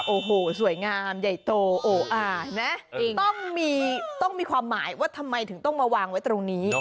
โอ้โหสวยงามใหญ่โตโออานะต้องมีความหมายว่าทำไมถึงต้องมาวางไว้ตรงนี้